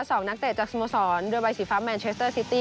สองนักเตะจากสโมสรด้วยใบสีฟ้าแมนเชสเตอร์ซิตี้